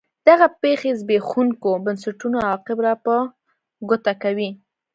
دغه پېښې زبېښونکو بنسټونو عواقب را په ګوته کوي.